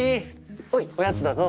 おいおやつだぞ。